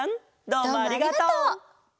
どうもありがとう！